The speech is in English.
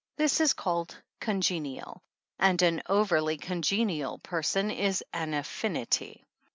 This is called congenial, and an overly congenial person is an "affinity."